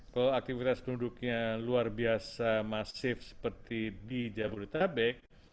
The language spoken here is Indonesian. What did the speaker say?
kalau aktivitas penduduknya luar biasa masif seperti di jabodetabek